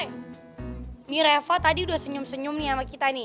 ini reva tadi udah senyum senyum nih sama kita nih